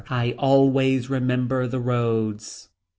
I always remember the roads.